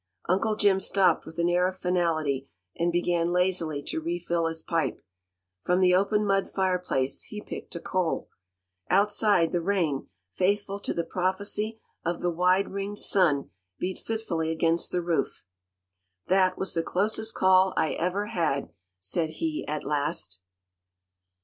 Uncle Jim stopped with an air of finality, and began lazily to refill his pipe. From the open mud fireplace he picked a coal. Outside, the rain, faithful to the prophecy of the wide ringed sun, beat fitfully against the roof. "That was the closest call I ever had," said he at last.